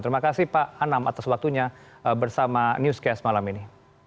terima kasih pak anam atas waktunya bersama newscast malam ini